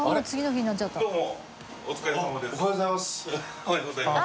おはようございます。